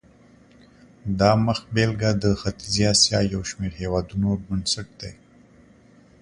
دا مخبېلګه د ختیځې اسیا یو شمېر هېوادونو بنسټ دی.